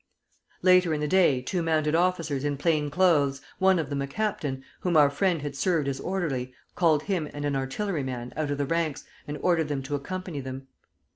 Later in the day two mounted officers in plain clothes, one of them a captain, whom our friend had served as orderly, called him and an artilleryman out of the ranks, and ordered them to accompany them.